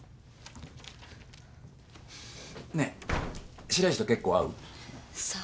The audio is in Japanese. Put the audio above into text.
ねえ白石とけっこう会う？さあ？